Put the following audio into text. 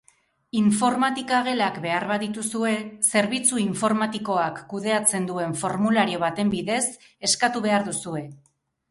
Informatika-gelak behar badituzue, zerbitzu informatikoak kudeatzen duen formulario baten bidez eskatu behar duzue.